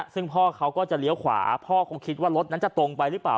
ซึ่งพ่อเขาก็จะเลี้ยวขวาพ่อคงคิดว่ารถนั้นจะตรงไปหรือเปล่า